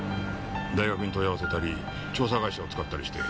大学に問い合わせたり調査会社を使ったりして。